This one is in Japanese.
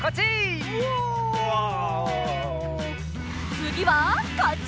つぎはこっち！